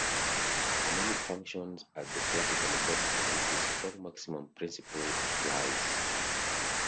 Harmonic functions are the classical example to which the strong maximum principle applies.